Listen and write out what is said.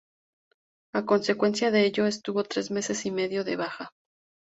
A consecuencia de ello, estuvo tres meses y medio de baja.